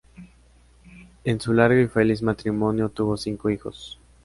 En su largo y muy feliz matrimonio tuvo cinco hijos.